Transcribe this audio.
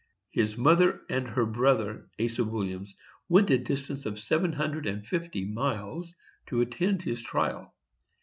His mother and her brother, Asa Williams, went a distance of seven hundred and fifty miles to attend his trial.